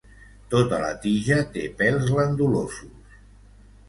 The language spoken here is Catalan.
Tota la tija té pèls glandulosos.